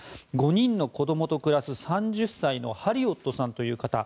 ５人の子供と暮らす、３０歳のハリオットさんという方。